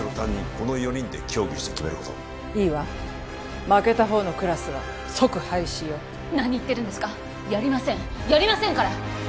この４人で協議して決めることいいわ負けた方のクラスは即廃止よ何言ってるんですかやりませんやりませんから！